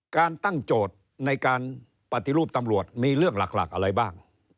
การตั้งโจทย์ในการปฏิรูปตำรวจมีเรื่องหลักอะไรบ้าง